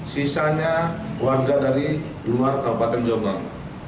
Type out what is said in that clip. sisanya warga dari luar kabupaten jombang